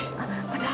私？